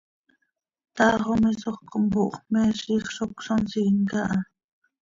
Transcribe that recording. Taax oo misoj oo compooh x, me ziix zo cösonsiin caha.